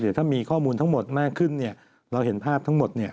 เดี๋ยวถ้ามีข้อมูลทั้งหมดมากขึ้นเราเห็นภาพทั้งหมด